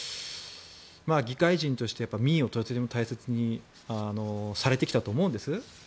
議会人として民意を大切にされてきたと思うんです。